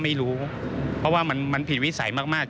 ไม่รู้เพราะว่ามันผิดวิสัยมาก